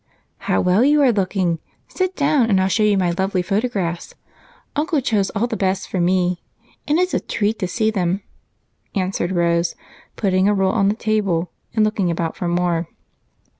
"How well you are looking! Sit down and I'll show you my lovely photographs. Uncle chose all the best for me, and it's a treat to see them," answered Rose, putting a roll on the table and looking about for more.